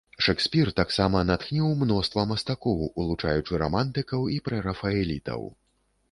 Шэкспір таксама натхніў мноства мастакоў, улучаючы рамантыкаў і прэрафаэлітаў.